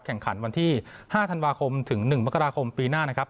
แข่งขันวันที่๕ธันวาคมถึง๑มกราคมปีหน้านะครับ